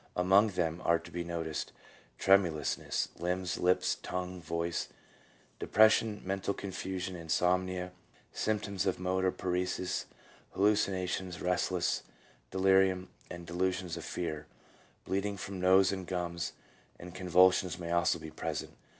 Among them are to be noticed tremulou.s ness (limbs, lips, tongue, voice), depression, mental confusion, insomnia, symptoms of motor paresis, hallucinations, restless delirium, and delusions of fear; bleeding from nose and gums, and convulsions may also be present.